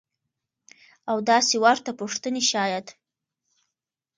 او داسې ورته پوښتنې شايد.